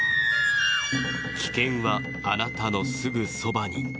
危険は、あなたのすぐそばに。